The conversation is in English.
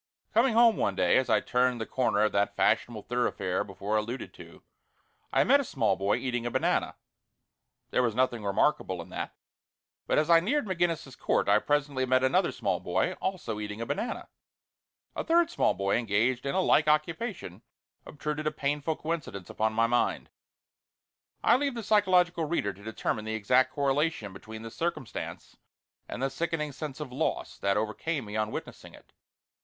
Coming home one day, as I turned the corner of that fashionable thoroughfare before alluded to, I met a small boy eating a banana. There was nothing remarkable in that, but as I neared McGinnis's Court I presently met another small boy, also eating a banana. A third small boy engaged in a like occupation obtruded a painful coincidence upon my mind. I leave the psychological reader to determine the exact correlation between the circumstance and the sickening sense of loss that overcame me on witnessing it.